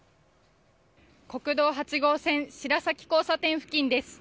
国道８号線白崎交差点付近です。